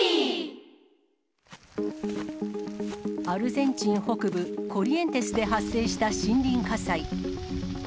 アルゼンチン北部、コリエンテスで発生した森林火災。